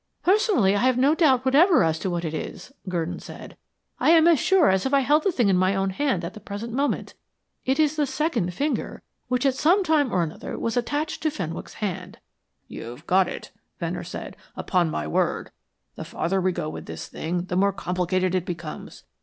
"Personally, I have no doubt whatever as to what it is," Gurdon said. "I am as sure as if I held the thing in my hand at the present moment. It is the second finger which at some time or another was attached to Fenwick's hand." "You've got it," Venner said. "Upon my word, the farther we go with this thing the more complicated it becomes.